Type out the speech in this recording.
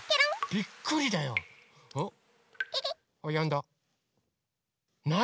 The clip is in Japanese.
びっくりだよ。